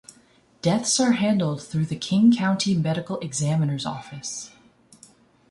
Deaths are handled through the King County Medical Examiner's Office.